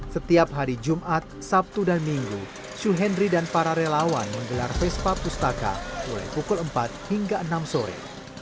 setiap hari jumat sabtu dan minggu syuhendri dan para relawan menggelar vespa pustaka mulai pukul empat hingga enam sore